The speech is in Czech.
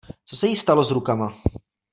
Co se jí stalo s rukama?